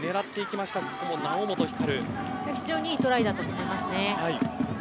非常にいいトライだったと思いますね。